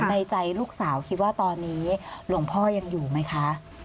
ในใจลูกสาวคิดว่าตอนนี้หลวงพ่อยังอยู่ไหมคะ